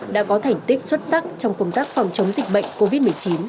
đã có thành tích xuất sắc trong công tác phòng chống dịch bệnh covid một mươi chín